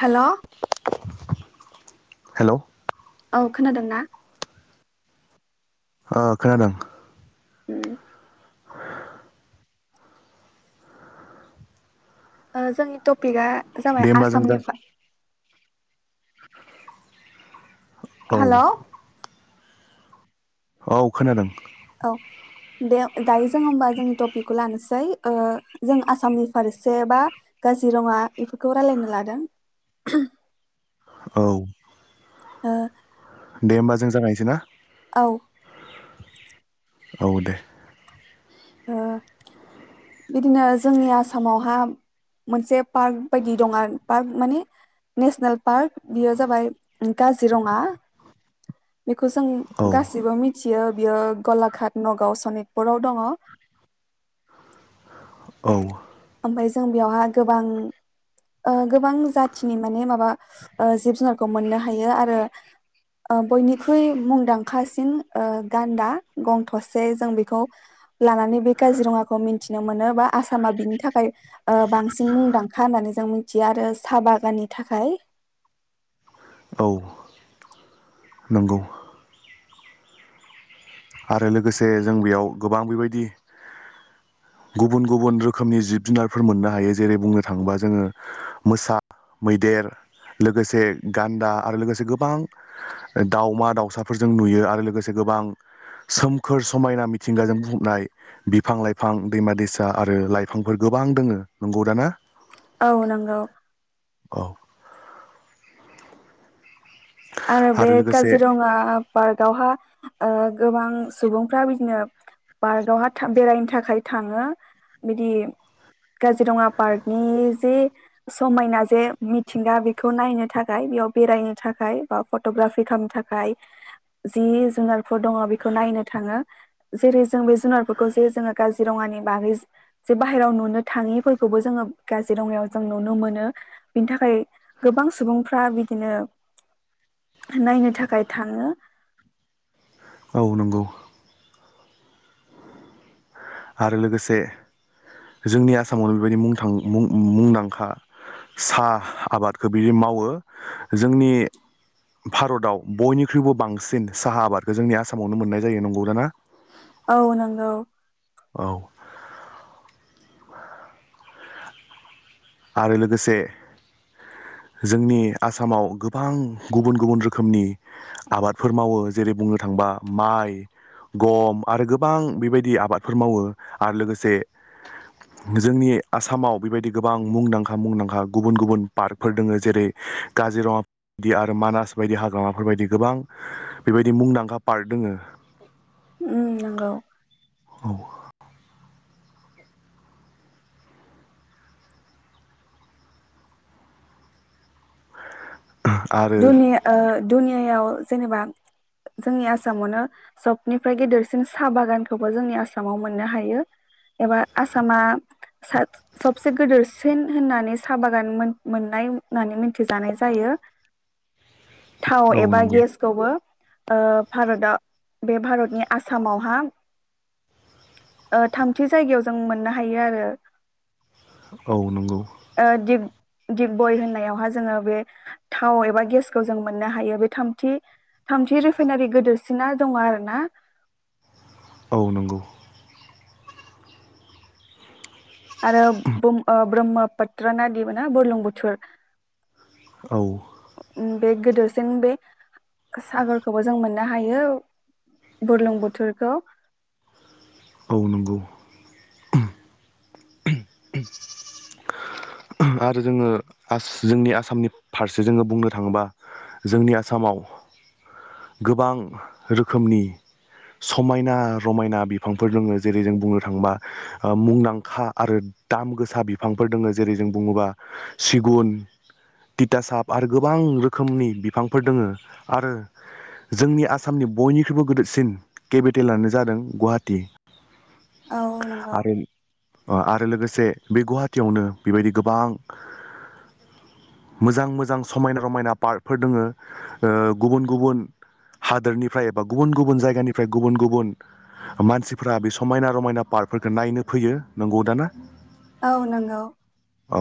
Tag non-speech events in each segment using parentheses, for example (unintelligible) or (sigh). Hello. Hello. खोनादों ना। औ खोनादों नोंथां। जोंनि टपिकआ। जाबाय दे होमबा जों जा आसामनिफ्राय। औ हेलौ। औ खोनादों। औ दे दायो जों होमबा जोंनि टपिकखौ लानोसै जों आसामनि फारसे बा काजिरङा बेफोरखौ रायलायनो लादों। औ। औ। दे होमबा जों जागानोसैय ना। औ। औ दे। बिदिनो जोंनि आसामावहा मोनसे पार्क बायदि दं पार्क माने नेसनेल पार्क बेयो जाबाय काजिरङा। बेखौ जों औ गासिबो मिथिगौ। बियो बियो गलाघाट नगाव सनितपुराव दङ। औ। ओमफ्राय जों बेयावहा गोबां गोबां जाथिनि माने माबा जिब जुनारखौ मोननो हायो आरो बयनिख्रुइ मुंदांखासिन गान्दा गं थसे जों बेखौ। लानानै बे काजिरङाखौ मिथिनो मोनो बा आसामा बिनि थाखाय बांसिन मुंदांखा होननानै जों मिथियो आरो साहा बागाननि थाखाय। औ नंगौ आरो लोगोसे जों बेयाव गोबां बेबायदि गुबुन गुबुन रोखोमनि जिब जुनारफोर मोननो हायो जेरै बुंनो थाङोबा जोङो मोसा मैदेर लोगोसे गान्दा आरो लोगोसे गोबां दाावमा दावसाफोरखौनुयो आरो लोगोसे गोबां। सोमखोर समायना मिथिंगाजों बुंफबनाय बिफां लाइफां दैमा दैसा आरो लाइफांफोर गोबां दङ नंगौ दा ना। औ नंगौ। औ। आरो बे काजिरंङा पार्कआवहा। गोबां सुबुंफ्रा बिदिनो पार्कआवहाय बेरायनो थाखाय थाङो बिदि काजिरङा पार्कनि जे समायना जे मिथिंगा बेखौ नायनो थाखाय बेयाव बेरायनो थाखाय। बा फटग्राफि खालामनो थाखाय जि जुनारफोर दङ बेखौ नायनो थाङो जेरै जों बे जुनारफोरखौ जे जोंङो काजिरंङानि बागै जे बाहेरायाव नुनो थाङिफोरखौबो जोङो काजिरंङायाव जों नुनो मोनो बिनि थाखाय गोबां सुबुंफ्रा बिदिनो। नायनो थाखाय थाङो। औ नंगौ। आरो लोगोसे जोंनि आसामावनो बेबायदि मुंदांखा साहा आबादखौ बिदि मावो जोंनि भारताव बयनिख्रुइबो बांसिन साहा आबादखौ जोंनि आसामावनो मोननाय जायो नंगौ दा ना। औ नंगौ। औ। आरो लोगोसे जोंनि आसामाव गोबां गुबुन गुबुन रोखोमनि आबादफोर मावो जेरै बुंनो थांङोबा माइ गम आरो गोबां बेबायदि आबादफोर मावो आरो लोगोसे जोंनि आसामाव बेबायदि गोबां। गोबां मुंदांखा मुंदांखा गुबुन गुबुन पार्कफोर दङ जेरै काजिरंङा बायदि आरो मानास बायदि हाग्रामाफोर बायदि गोबां बेबायदि मुंदांखा पार्क दङ। उम नंगौ। ग (inaudible) आरो दुनिया। दुनियायाव जेनेबा जोंनि आसामावनो बयनिफ्राय गेदेरसिन साहा बागानखौबो जोंनि आसामाव मोननो हायो एबा आसामा सबसे गिदेरसिन होननानै साहा बागान मोननाय होननानै मिथिजानाय जायो। थाव औ एबा नंगौ गेसखौबो ओ भारता बे भारतनि आसामावहा थामथि जायगायाव जों मोननो हायो आरो औ नंगौ दिप बय होननायावहा जोङो बे था थाव एबा गेसखौ जों मोननो हायो बे थाथि थामथि रिफाइनारि गोदिरसिना दङ आरो ना औ नंगौ आरो बुं ओ ब्रह्मपुत्रा नादिब ना बुलुं बुथुर औ बे गोदोरसिन बे सागोरखौबो जों मोननो हायो बुरलुंबुथुरखौ औ नंगौ आरो जोङो आस जोंनि आसामनि फारसे जोङो बुंनो थाङोबा जोंनि आसामाव गोबां रोखोमनि समायना रमायना बिफांफोर दोङ जेरै जों बुंनो थाङोबा मुंदांखा आरो दाम गोसा बिफांफोर दङ जेरै जों बुङोबा सिगुन तिथासाब आरो गोबां रोखोमनि बिफांफोर दङो आरो जोंनि आसामनि बयनिख्रुइबो गोदोसिन केपिटेलानो जादों गुवाहाटी औ नंगौ अ आरो लोगोसे बे गुवाहाटियावनो बेबायदि गोबां मोजां मोजां समायना रमायना पार्कफोर दोङो गुबुन गुबुन हादोरनिफ्राय एबा गुबुन गुबुन जायगानिफ्राय गुबुन गुबुन मानसिफोरा बे समायना रमायना पार्कफोरखौ नायनो फैयो नंगौ दाना औ नोंगौ औ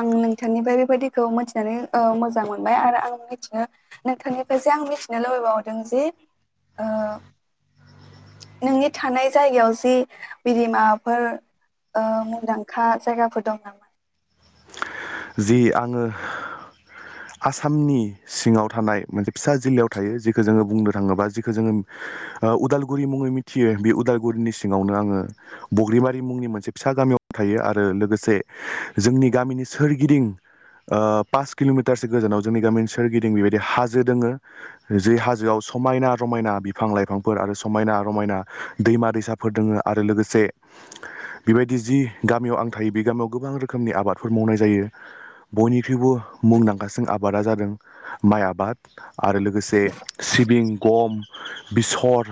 आं नोंथांनिफ्राय बेबायदिखौ मिथिनानै ओ मोजां मोनबाय आरो आं मिथिनो नोंथांनिफ्रायसो आं मिथिनो लुबैबावदों जे ओ नोंनि थानाय जायगायाव जि बिदिमाफोर मुंदांखा जायगाफोर दं नामा जि आङो आसामनि सिङाव थानाय मोनसे फिसा जिल्लायाव थायो जिखौ जोङो बुंनो थाङोबा जिखौ जोङो उदालगुरि मुङै मिथियो बे उदालगुरिनि सिङावनो आङो बग्रिबारि मुंनि मोनसे फिसा गामियाव थायो आरो लोगोसे जोंनि गामिनि सोरगिदिं ओ पास किल'मिटारसो गोजानाव जोंनि गामिनि सोरगिदिं बेबायदि हाजो दोङो जे हाजोआव समायना रमायना बिफां लाइफांफोर आरो समायना रमायना दैमा दैसाफोर दङो आरो लोगोसे बेबायदि जि गामियाव आं थायो बे गामियाव गोबां रोखोमनि आबादफोर मावनाय जायो बयनिख्रुइबो मुंदांखासिन आबादा जादों माइ आबाद आरो लोगोसे सिबिं गम बेसर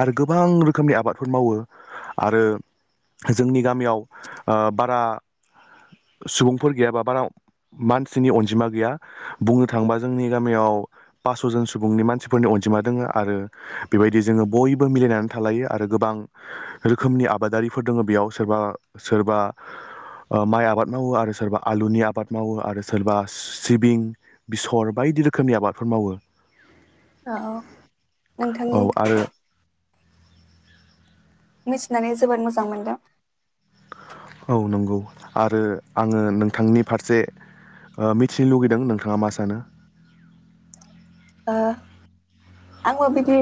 आरो गोबां रोखोमनि आबादफोर मावो आरो जोंनि गामियाव ओ बारा सुबुंफोर गैयाबा बारा मानसिनि अनजिमा गैया बुंनो थाङोबा जोंनि गामियाव पासस'जन सुबुंनि मानसिफोरनि अनजिमा दोङो आरो बेबायदि जोङो बयबो मिलायनानै थालायो आरो गोबां रोखोमनि आबादारिफोर दोङो बेयाव सोरबा सोरबा ओ माइ आबाद मावो आरो सोरबा आलुनि आबाद मावो आरो सोरबा सिबिं बेसर बायदि रोखोमनि आबादफोर मावो ओ औ औ नोंथांनि आरो मिथिनानै जोबोद मोजां मोनदों औ नंगौ आरो आङो नोंथांनि फारसे मिथिनो लुगैदों नोंथाङा मा सानो ओ आंबो बिदि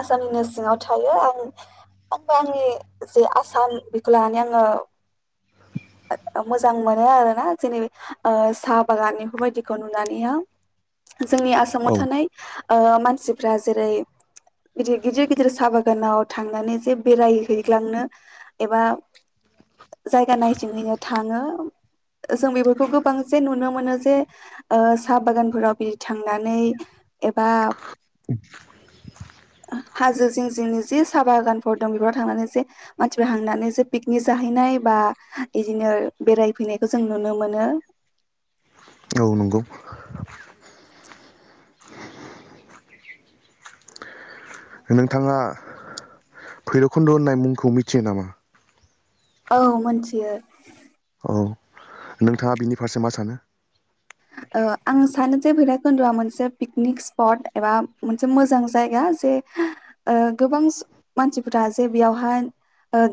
आसामनिनो सिङाव थायो आं आमफाय आंनि जे आसाम बेखौ लानानै आङो मोजां मोनो आरोना जेनै साहा बागान बेफोरबायदिखौ नुनानैआ जोंनि आसामाव औ थानाय ओ मानसिफ्रा जेरै गिदिर गिदिर साहा बागानाव थांनानै जे बेरायहैग्लांनो एबा जायगा नाय थाङो जों बेफोरखौ गोबां जे नुनो मोनो जे साहा बागानफोराव बिदि थांनानै एबा हाजो जिं- जिंनि जि साहा बागानफोर दं बेफोराव थांनानै जे मानसिफोर हांनानै जे पिकनिक जाहैनाय बा बिदिनो बेरायफैनायखौ जों नुनो मोनो। औ नंगौ। नोंथाङा भैरबखुन्द' होननाय मुंखौ मिथियो नामा? औ मोनथियो। औ नोंथाङा बिनि फारसे मा सानो? ओ आं सानो जे भैराबखुन्द'आ मोनसे पिकनिक स्पट एबा मोनसे मोजां जायगा जे ओ गोबां मानसिफोरा जे बेयावहाय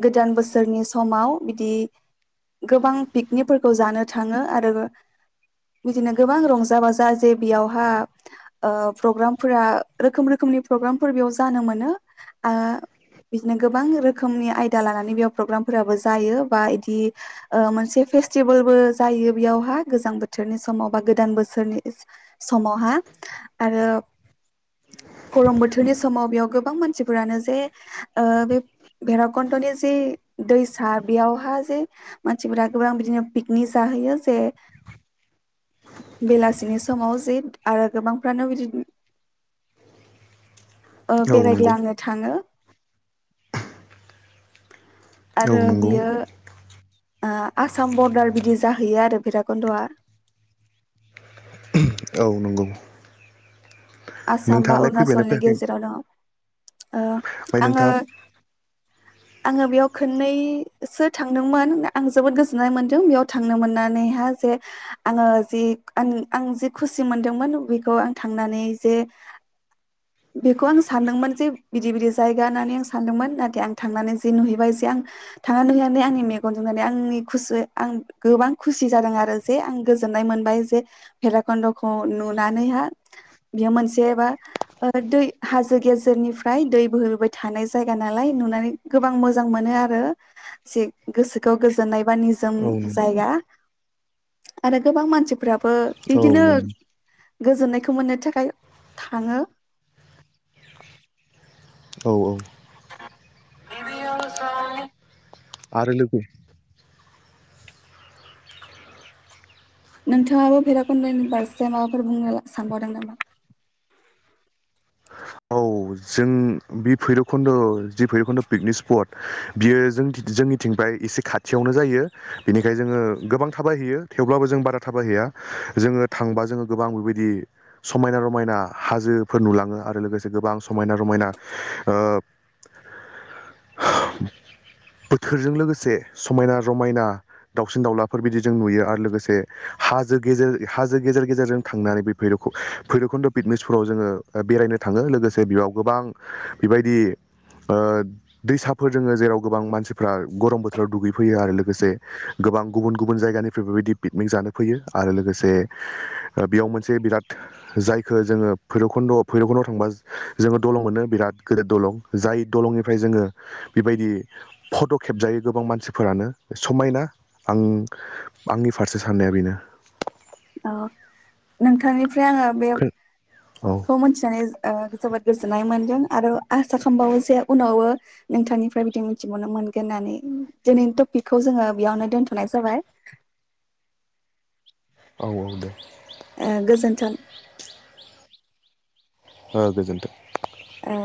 गोदान बोसोरनि समाव बिदि गोबां पिकनिकफोरखौ जानो थाङो आरो बिदिनो गोबां रंजा- बाजा जे बेयावहा प्रग्रामफोरा रोखोम- रोखोमनि प्रग्रामफोर बेयाव जानो मोनो। बिदिनो गोबां रोखोमनि आयदा लानानै बेयाव प्रग्रामफोराबो जायो बा बिदि मोनसे फेस्टिभेलबो जायो बेयावहा गोजां बोथोर बोथोरनि समाव बा गोदान बोसोरनि समावहा आरो गरम बोथोरनि समाव बेयाव गोबां मानसिफोरानो जे ओ बे भैराबकन्न्दनि जे दैसा बेयावहा जे मानसिफोरा गोबां बिदिनो पिकनिक जाहैयो जे बेलासिनि समाव जि आरो गोबांफ्रानो बिदि ओ औ नंगौ बेरायग्लांनो थाङो। औ आरो नंगौ बियो आसाम बरदार बिदि जाहैयो आरो भैराबकन्द'आ। औ नंगौ आसाम बा नोंथाङालाय फैबायना अरुणाचलनि फैयाखै गेजेराव दङ। ओ ओमफ्राय आङो नोंथाङा आङो बेयाव खननैसो थांदोंमोन। आं जोबोद गोजोननाय मोनदों बेयाव थांनो मोननानैहा जे आङो जि आं -आं जि खुसि मोनदोंमोन बेखौ आं थांनानै जे बेखौ आं सानदोंमोन जे बिदि -बिदि जायगा होननानै आं सानदोंमोन नाथाय आं थांनानै जे नुहैबाय जे आं थांनानै नुहैनानै आंनि मेगनजोंनानै आंनि खुस -आं गोबां खुसि जादों आरो जे आं गोजोननाय मोनबाय जे भैेराकन्द'खौ नुनानैहा। बेयो मोनसेबा दै हाजो गेजेरनिफ्राय दै बोहोबोबाय थानाय जायगा नालाय नुनानै गोबां मोजां मोनो आरो जे गोसोखौ गोजोननाय बा निजोम औ नंगौ जायगा आरो गोबां मानसिफ्रा औ बिदिनो नंगौ गोजोन्नायखौ मोननो थाखाय (unintelligible) थाङो। औ औ (unintelligible) आरो (unintelligible) नोंथाङाबो भैेराकुन्दनि फारसे माबाफोर बुंनो सानबावदों नामा? औ जों बि भैराबखुन्द' जि भैरबखुन्द' पिकनिक स्पट बियो जों- जोंनिथिंफ्राय एसे खाथियावनो जायो बेनिखायनो जोङो गोबां थाबाय हैैयो थेवब्लाबो जों बारा थाबाय हैैया जोङो थांबा जोङो गोबां बेबायदि समायना- रमायना हाजोफोर नुलाङो आरो लोगोसे गोबां सम समायना- रमायना ओ बोथोरजों लोगोसे समायना- रमायना दाावसिन -दाउलाफोर बिदि जों नुयो आरो लोगोसे हाजो गेजेर हाजो गेजेर गेजेरजों थांनानै बे भैर -भैरबकुन्द' पिकनिक स्पटाव जोङो बेरायनो थाङो लोगोसे बेयाव गोबां बेबायदि दैसाफोर दोङो। जेराव गोबां मानसिफ्रा गरम बोथोराव दुगैफैयो आरो लोगोसे गोबां गुबुन गुबुन जायगानिफ्राय बेबायदि पिकनिक जानो फैयो आरो लोगोसे बेयाव मोनसे बिराद जायखौ जोङो भैराबखुन्द भैरबखुन्दआव थांबा जोङो दलं मोनो बिराद गेदेर दलं जाय दलंनिफ्राय जोङो बेबायदि फट' खेबजायो गोबां मानसिफोरानो समायना आं आंनि फारसे साननाया बेनो। औ नोंथांनि ओमफ्राय आङो औ बेखौ मिथिनानै जोबोद गोजोननाय मोनदों आरो आसा खालामबावो जे उनावबो नोंथांनिफ्राय बिदि मिथिबावनो मोनगोन होननानै दिनैनि टपिकखौ जोङो बेयावनो दोनथ'नाय जाबाय। औ औ दे। ओ गोजोन्थों। ओ गोजोन्थों। औ